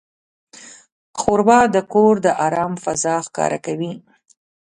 ښوروا د کور د آرام فضا ښکاره کوي.